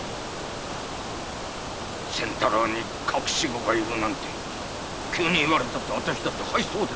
仙太郎に隠し子がいるなんて急に言われたって私だって。